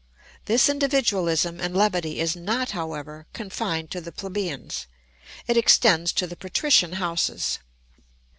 This individualism and levity is not, however, confined to the plebeians; it extends to the patrician houses.